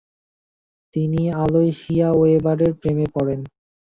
তিনি আলোয়সিয়া ওয়েবারের প্রেমে পড়েন।